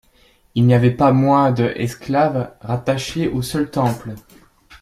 Il n'y avait pas moins de esclaves rattachés au seul temple.